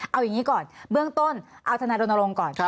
เอาอย่างนี้ก่อนเบื้องต้นเอาทนายรณรงค์ก่อน